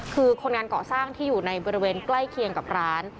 คือคนงานเกาะสร้างที่อยู่ในบริเวณใกล้เคียงกับร้าน